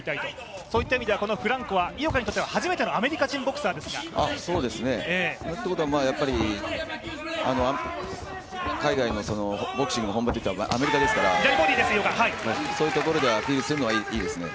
その意味では、フランコは井岡にとって初めてのアメリカ人ボクサーですが。ということは海外のボクシングの本場といったらアメリカですから逆にそういうところにアピールするのはいいですね。